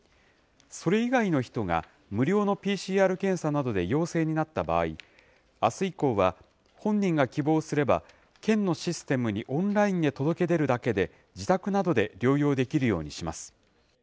それ以外の人が無料のＰＣＲ検査などで陽性になった場合、あす以降は本人が希望すれば、県のシステムにオンラインで届け出るだけで、自宅などで療養できるようにします。